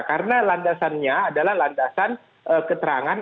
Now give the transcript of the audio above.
karena landasannya adalah landasan keterangan